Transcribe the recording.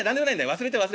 忘れて忘れて。